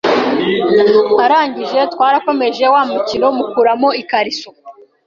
arangije twarakomeje wamukino mukuramo ikariso,